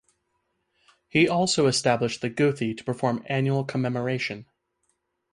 He also established the guthi to perform annual commemoration.